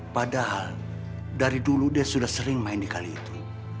padahal dari dulu dia sudah sering main di kali itu